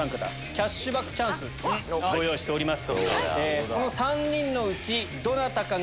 キャッシュバックチャンスご用意してます。